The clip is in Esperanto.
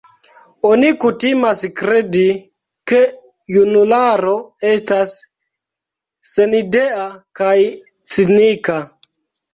Oni kutimas kredi, ke junularo estas senidea kaj cinika.